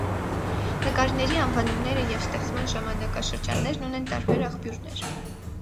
Նկարների անվանումները և ստեղծման ժամանակաշրջաններն ունեն տարբեր աղբյուրներ։